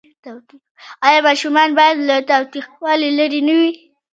آیا ماشومان باید له تاوتریخوالي لرې نه وي؟